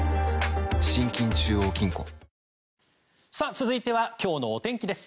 続いては今日のお天気です。